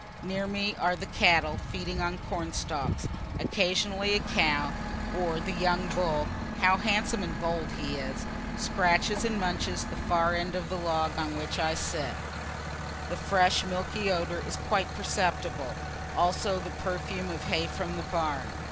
Near me are the cattle, feeding on corn stalks. Occasionally a cow or the young bull (how handsome and bold he is!) scratches and munches the far end of the log on which I sit. The fresh milky odor is quite perceptible, also the perfume of hay from the barn.